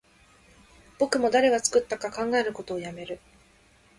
僕も誰が作ったのか考えることをやめる